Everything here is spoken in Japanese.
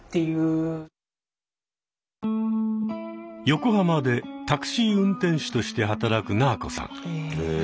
横浜でタクシー運転手として働くなぁこさん。